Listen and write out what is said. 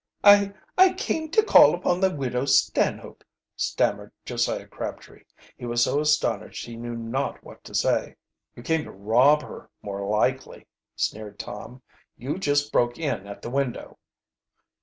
"I I came to call upon the Widow Stanhope," stammered Josiah Crabtree. He was so astonished he knew not what to say. "You came to rob her, more likely," sneered Tom. "You just broke in at the window."